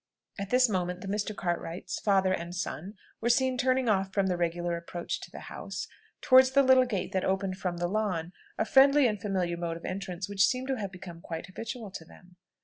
At this moment the Mr. Cartwrights, father and son, were seen turning off from the regular approach to the house, towards the little gate that opened from the lawn; a friendly and familiar mode of entrance, which seemed to have become quite habitual to them.